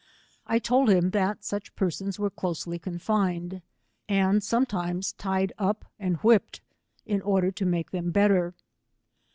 I told him that such persons were closely confined, and sometimes tied up and whipped, in order to make them better.